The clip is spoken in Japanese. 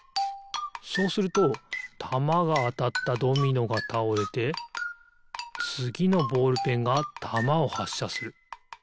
そうするとたまがあたったドミノがたおれてつぎのボールペンがたまをはっしゃする。